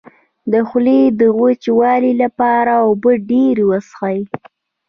د خولې د وچوالي لپاره اوبه ډیرې وڅښئ